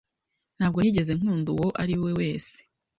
Ntabwo nigeze nkunda uwo ari we wese.